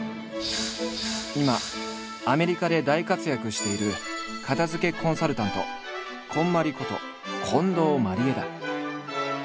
今アメリカで大活躍している片づけコンサルタント「こんまり」こと近藤麻理恵だ。